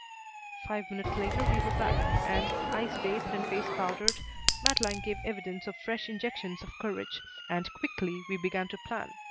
Five minutes later we were back and, eyes bathed and face powdered, Madeleine gave evidence of fresh injections of courage, and quickly we began to plan.